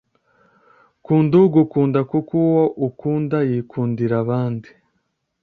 Kunda ugukunda kuko uwo ukunda yikundira abandi